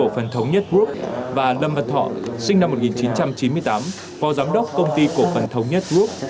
phần thống nhất group và lâm văn thọ sinh năm một nghìn chín trăm chín mươi tám phó giám đốc công ty cổ phần thống nhất group